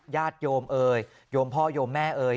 ญาติโยมเอ่ยโยมพ่อโยมแม่เอ่ย